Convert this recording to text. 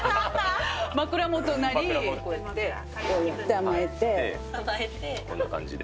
枕元なり、こうやって、こんな感じで。